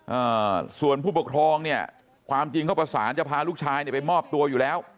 อ่าส่วนผู้ปกครองเนี่ยความจริงเขาประสานจะพาลูกชายเนี่ยไปมอบตัวอยู่แล้ว